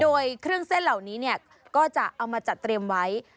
โดยเครื่องเส้นเหล่านี้ก็จะเอามาจัดเตรียมไว้